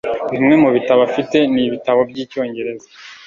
Bimwe mubitabo afite ni ibitabo byicyongereza